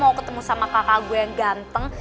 mau ketemu sama kakak gue yang ganteng